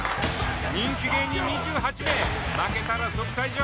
人気芸人２８名、負けたら即退場。